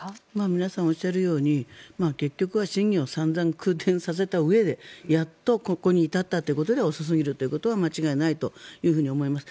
皆さんおっしゃるように結局は審議を散々、空転させたうえでやっとここに至ったということで遅すぎるというのは間違いないというふうに思います。